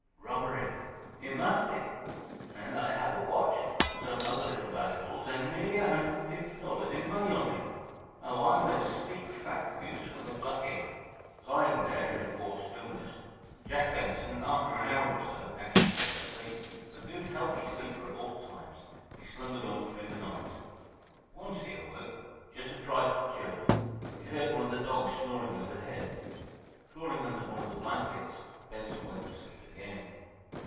Robbery, it must be. And I have a watch, some other little valuables and nearly a hundred and fifty dollars in money on me. Oh, I'm the sleek, fat goose for plucking!" Lying there, in enforced stillness, Jack Benson, after an hour or so, actually fell asleep. A good, healthy sleeper at all times, he slumbered on through the night. Once he awoke, just a trifle chilled. He heard one of the dogs snoring overhead. Crawling under one of the blankets, Benson went to sleep again.